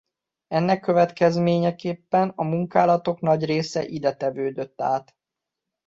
Ennek következményeképpen a munkálatok nagy része ide tevődött át.